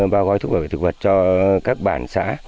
bao gói thuốc bảo vệ thực vật cho các bản xã